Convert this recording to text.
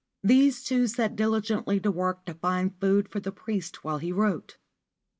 These two set diligently to work to find food for the priest while he wrote.